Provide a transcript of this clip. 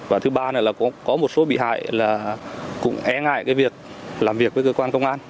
và thứ ba là có một số bị hại là cũng e ngại cái việc làm việc với cơ quan công an